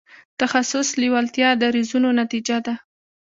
تخصص لېوالتیا دریځونو نتیجه ده.